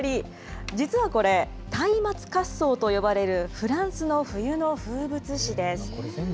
実はこれ、たいまつ滑走と呼ばれるフランスの冬の風物詩です。